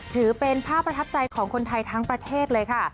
ถือเป็นภาพประทับใจของคนไทยทั้งประเทศเลยค่ะ